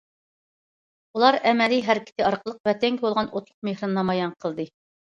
ئۇلار ئەمەلىي ھەرىكىتى ئارقىلىق ۋەتەنگە بولغان ئوتلۇق مېھرىنى نامايان قىلدى.